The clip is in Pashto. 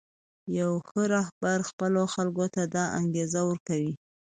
یو ښه رهبر خپلو خلکو ته دا انګېزه ورکوي.